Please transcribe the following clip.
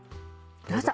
どうぞ。